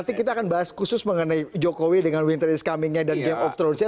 nanti kita akan bahas khusus mengenai jokowi dengan winter is comingnya dan game of thrones nya